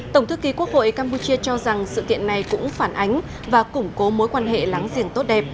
tổng thư ký quốc hội campuchia cho rằng sự kiện này cũng phản ánh và củng cố mối quan hệ láng giềng tốt đẹp